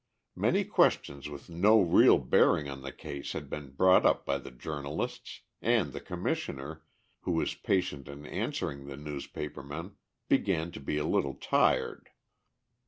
Many questions with no real bearing on the case had been brought up by the journalists, and the Commissioner, who was patient in answering the newspaper men, began to be a little tired.